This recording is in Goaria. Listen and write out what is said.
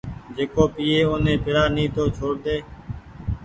جيڪو پيئي اوني پيرآ ني تو چهوڙ ۮي